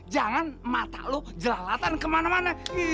jangan mata lo jelalatan kemana mana